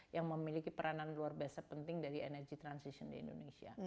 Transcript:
yang memiliki peranan luar biasa penting dari energy transition di indonesia